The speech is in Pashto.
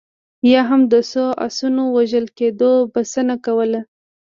یا هم د څو اسونو وژل کېدو بسنه کوله.